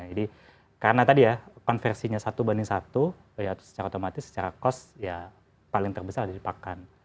jadi karena tadi ya konversinya satu banding satu ya secara otomatis secara cost ya paling terbesar ada di pakan